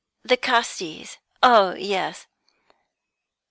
"The Castis? Oh yes."